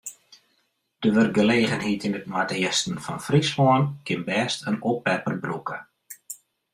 De wurkgelegenheid yn it noardeasten fan Fryslân kin bêst in oppepper brûke.